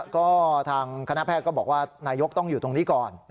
ก็ทางคณะแพทย์ก็บอกว่านายกต้องอยู่ตรงนี้ก่อน